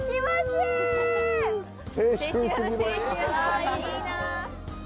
いいな！